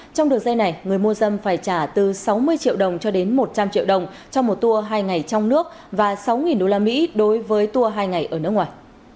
trong đường dây này người mua dâm phải trả từ sáu mươi triệu đồng cho đến một trăm linh triệu đồng cho một tour hai ngày trong nước và sáu usd đối với tour hai ngày ở nước ngoài